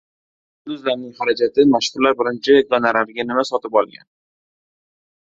Yulduzlarning xarajatlari: mashhurlar birinchi gonorariga nima sotib olgan?